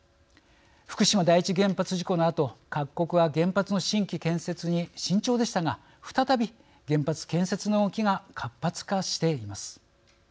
福島第一原発事故のあと各国は原発の新規建設に慎重でしたが再び、原発建設の動きが活発化しています。